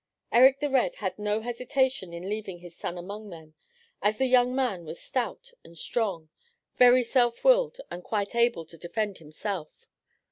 Erik the Red had no hesitation in leaving his son among them, as the young man was stout and strong, very self willed, and quite able to defend himself.